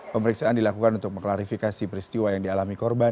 pemeriksaan dilakukan untuk mengklarifikasi peristiwa yang dialami korban